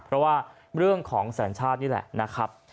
เพราะว่าเรื่องของสัญชาตินี่แหละนะครับ